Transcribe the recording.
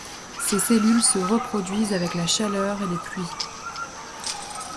Ses cellules se reproduisent avec la chaleur et les pluies.